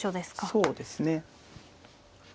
そうですね。